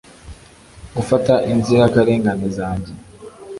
gufata inzirakarengane zanjye